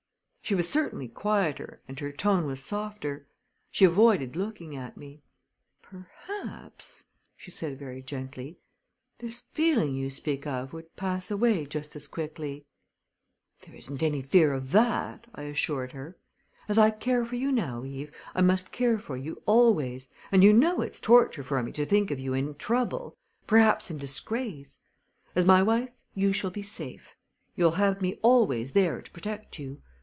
She was certainly quieter and her tone was softer. She avoided looking at me. "Perhaps," she said very gently, "this feeling you speak of would pass away just as quickly." "There isn't any fear of that!" I assured her. "As I care for you now, Eve, I must care for you always; and you know it's torture for me to think of you in trouble perhaps in disgrace. As my wife you shall be safe. You'll have me always there to protect you.